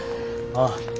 ああ。